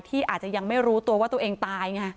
ที่อาจจะยังไม่รู้ตัวว่าตัวเองตายไง